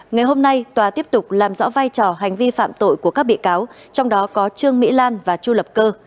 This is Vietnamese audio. ngày hôm nay tòa tiếp tục làm rõ vai trò hành vi phạm tội của các bị cáo trong đó có trương mỹ lan và chu lập cơ